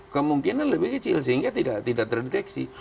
kemungkinan lebih kecil sehingga tidak terdeteksi